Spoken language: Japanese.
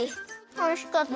おいしかった。